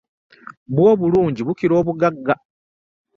Bwo obulunji bukira obugagga .